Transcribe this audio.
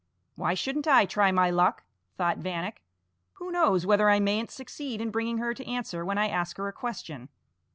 "Why shouldn't I try my luck?" thought Vanek; "who knows whether I mayn't succeed in bringing her to answer when I ask her a question?"